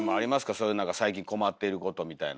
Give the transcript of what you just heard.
そういう何か最近困ってることみたいな。